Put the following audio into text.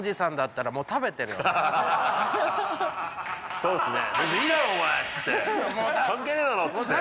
そうっすね